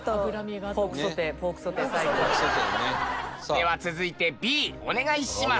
では続いてＢお願いします。